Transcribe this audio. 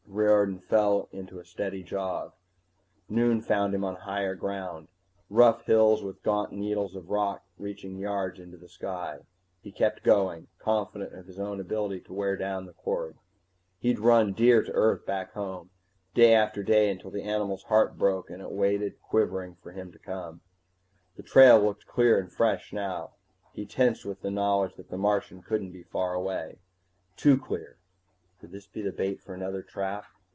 Riordan fell into a steady jog. Noon found him on higher ground, rough hills with gaunt needles of rock reaching yards into the sky. He kept going, confident of his own ability to wear down the quarry. He'd run deer to earth back home, day after day until the animal's heart broke and it waited quivering for him to come. The trail looked clear and fresh now. He tensed with the knowledge that the Martian couldn't be far away. Too clear! Could this be bait for another trap?